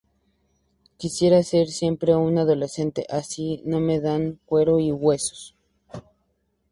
Quisiera ser siempre un adolescente, así no me den cuero y huesos…’.